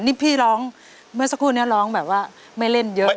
นี่พี่ร้องเมื่อสักครู่นี้ร้องแบบว่าไม่เล่นเยอะ